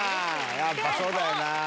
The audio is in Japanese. やっぱそうだよな。